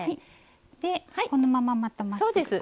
でこのまままたまっすぐ？